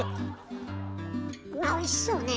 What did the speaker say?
うわおいしそうね。